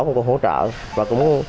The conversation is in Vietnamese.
của quân hỗ trợ và cũng